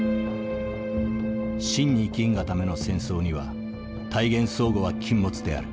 真に生きんがための戦争には大言壮語は禁物である。